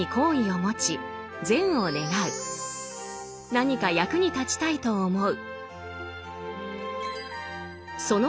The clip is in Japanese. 何か役に立ちたいと思う。